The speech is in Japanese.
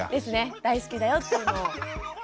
大好きだよっていうのを。